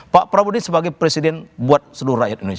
pak prabowo ini sebagai presiden buat seluruh rakyat indonesia